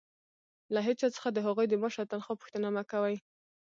له هيچا څخه د هغوى د معاش او تنخوا پوښتنه مه کوئ!